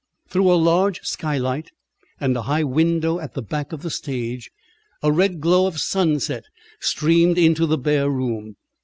Through a large skylight, and a high window at the back of the stage, a red glow of sunset streamed into the bare room.